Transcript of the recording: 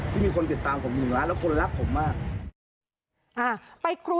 ที่มีคนติดตามผม๑ล้านแล้วคนรักผมมาก